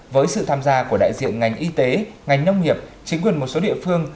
với sự tham gia của đại diện ngành y tế ngành nông nghiệp chính quyền một số địa phương